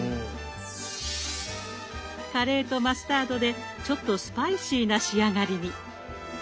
カレーとマスタードでちょっとスパイシーな仕上がりに。